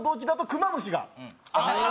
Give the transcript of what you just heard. クマムシ！